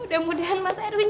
udah mudahan mas edwin